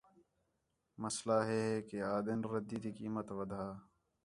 مسئلہ ہِے ہِے کہ آ دھن ردّی تی قیمت وَدھا